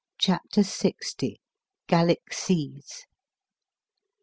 Chapter LX. Gallic Seas.